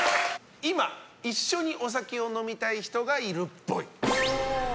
今、一緒にお酒を飲みたい人がいるっぽい。